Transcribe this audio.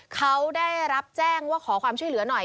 เขาได้รับแจ้งว่าขอความช่วยเหลือหน่อย